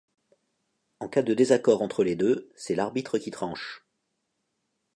En cas de désaccord entre les deux, c'est l'arbitre qui tranche.